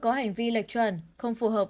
có hành vi lệch chuẩn không phù hợp